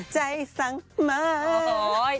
ใจสังหมาย